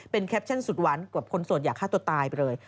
แคปชั่นสุดหวานกว่าคนโสดอยากฆ่าตัวตายไปเลย